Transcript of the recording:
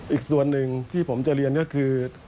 อีกส่วนหนึ่งที่ผมจะเรียนก็คือ